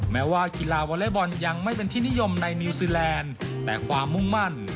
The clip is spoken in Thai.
แม้ว่ากีฬาวอเล็กบอลยังไม่เป็นที่นิยมในนิวซีแลนด์แต่ความมุ่งมั่น